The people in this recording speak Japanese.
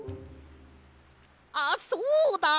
あっそうだ！